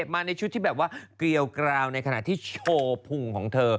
มาในชุดที่แบบว่าเกลียวกราวในขณะที่โชว์พุงของเธอ